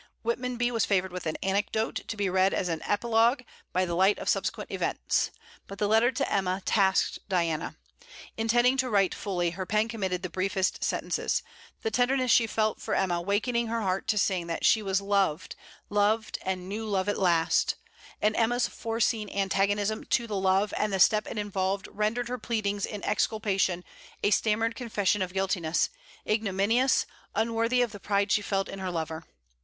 Whitmonby was favoured with an anecdote, to be read as an apologue by the light of subsequent events. But the letter to Emma tasked Diana. Intending to write fully, her pen committed the briefest sentences: the tenderness she felt for Emma wakening her heart to sing that she was loved, loved, and knew love at last; and Emma's foreseen antagonism to the love and the step it involved rendered her pleadings in exculpation a stammered confession of guiltiness, ignominious, unworthy of the pride she felt in her lover.